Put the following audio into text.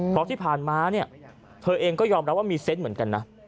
เพราะที่ผ่านมาเนี่ยเธอเองก็ยอมรับว่ามีเซนต์เหมือนกันนะ